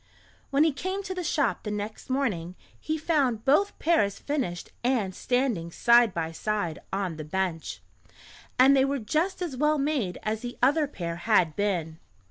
When he came to the shop the next morning, he found both pairs finished and standing side by side on the bench, and they were just as well made as the other pair had been.